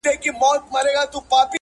چي پيشو مخي ته راغله برابره-